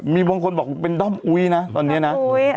มีบางคนบอกเป็นด้อมอุ๊ยนะตอนนี้นะ